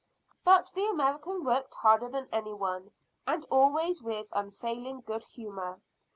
But the American worked harder than any one, and always with unfailing good humour.